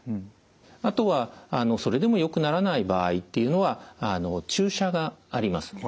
あとはそれでもよくならない場合というのは注射があります。